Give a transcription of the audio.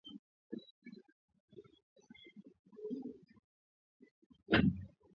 Fasi ya kwanza uta weza kwenda kwa chef wamugini wala ku cadastre